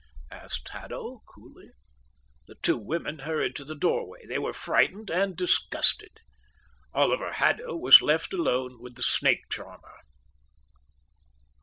asked Haddo coolly. The two women hurried to the doorway. They were frightened and disgusted. Oliver Haddo was left alone with the snake charmer.